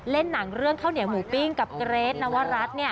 หนังเรื่องข้าวเหนียวหมูปิ้งกับเกรทนวรัฐ